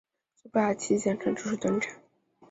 所以暴牙七先生正式登场。